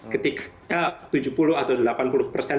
ketika tujuh puluh atau delapan puluh persen